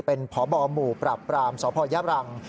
เป็นพบหมู่ปราบปรามสพยบรัง